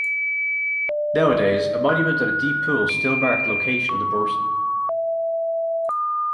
Nowadays, a monument and a deep pool still mark the location of the bursting.